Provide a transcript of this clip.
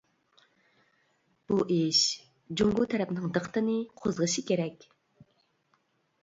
بۇ ئىش جۇڭگو تەرەپنىڭ دىققىتىنى قوزغىشى كېرەك!